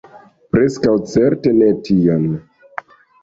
Preskaŭ certe ne tion.